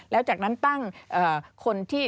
แล้วจากนั้นตั้งคนที่